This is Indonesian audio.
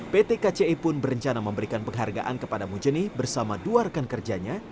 pt kci pun berencana memberikan penghargaan kepada mujeni bersama dua rekan kerjanya